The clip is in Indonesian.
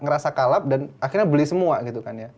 ngerasa kalap dan akhirnya beli semua gitu kan ya